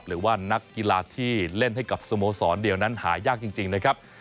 หรือว่านักกีฬาที่เล่นให้กับสโมสรเดียวนั้นหายากจริงนะครับ